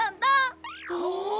ほう！